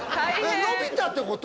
のび太ってこと？